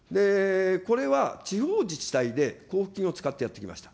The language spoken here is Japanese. これは地方自治体で交付金を使ってやってきました。